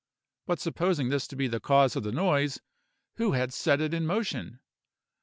But supposing this to be the cause of the noise, who had set it in motion?